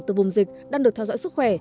từ vùng dịch đang được theo dõi sức khỏe